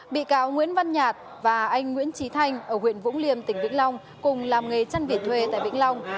bị cáo nguyễn văn nhạt và anh nguyễn trí thanh ở huyện vũng liêm tỉnh vĩnh long cùng làm nghề chăn biệt thuê tại vĩnh long